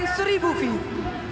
yang berada di atas